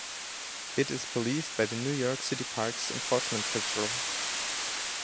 It is policed by the New York City Parks Enforcement Patrol.